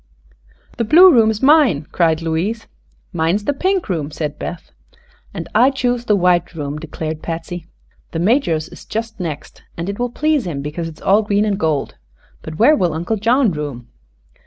"The blue room is mine!" cried Louise. "Mine is the pink room," said Beth. "And I choose the white room," declared Patsy. "The Major's is just next, and it will please him because it is all green and gold. But where will Uncle John room?"